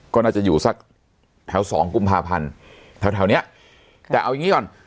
ก็น่าจะอยู่สักแถวสองกุมภาพันธ์แถวแถวเนี้ยแต่เอาอย่างงี้ก่อน